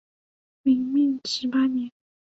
明命十八年。